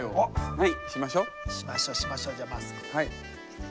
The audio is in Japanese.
はい。